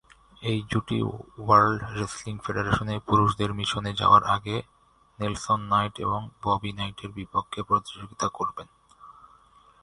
এই জুটি world wrestling ফেডারেশনে পুরুষদের মিশনে যাওয়ার আগে নেলসন নাইট এবং ববি নাইটের বিপক্ষে প্রতিযোগিতা করবেন।